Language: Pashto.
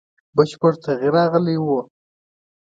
بشپړ تغییر راغلی وو.